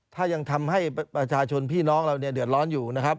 ถ้ายังทำให้ประชาชนพี่น้องเราเนี่ยเดือดร้อนอยู่นะครับ